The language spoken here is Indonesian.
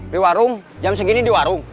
di warung jam segini di warung